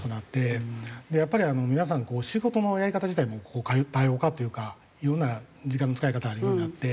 皆さん仕事のやり方自体も多様化というかいろんな時間の使い方あるようになって。